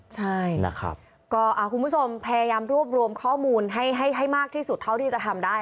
ใช่นะครับก็คุณผู้ชมพยายามรวบรวมข้อมูลให้มากที่สุดเท่าที่จะทำได้